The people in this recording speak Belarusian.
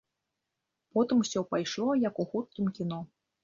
Потым усё пайшло, як у хуткім кіно.